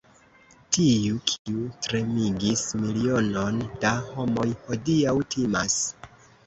Tiu, kiu tremigis milionon da homoj, hodiaŭ timas!